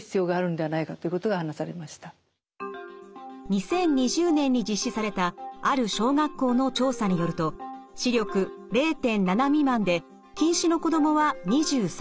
２０２０年に実施されたある小学校の調査によると視力０．７未満で近視の子どもは２３％でした。